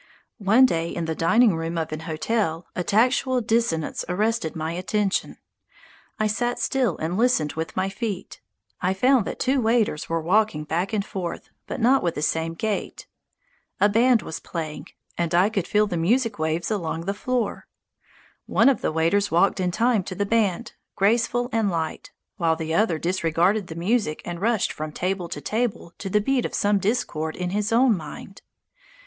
One day, in the dining room of an hotel, a tactual dissonance arrested my attention. I sat still and listened with my feet. I found that two waiters were walking back and forth, but not with the same gait. A band was playing, and I could feel the music waves along the floor. One of the waiters walked in time to the band, graceful and light, while the other disregarded the music and rushed from table to table to the beat of some discord in his own mind.